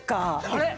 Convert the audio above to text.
あれ？